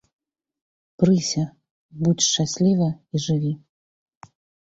Прыся, будзь шчасліва і жыві.